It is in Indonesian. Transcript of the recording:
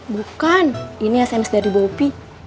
bukan ini sms dari bopi